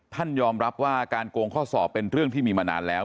ยอมรับว่าการโกงข้อสอบเป็นเรื่องที่มีมานานแล้ว